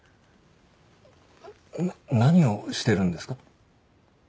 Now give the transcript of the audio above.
何をしてるんですか？